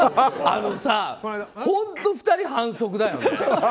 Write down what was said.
あのさ、本当２人反則だよね！